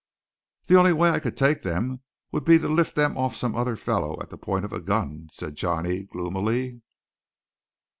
"The only way I could take them would be to lift them off some other fellow at the point of a gun," said Johnny gloomily.